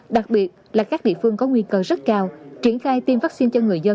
đặc biệt là các địa phương có nguy cơ rất cao triển khai tiêm vaccine cho người dân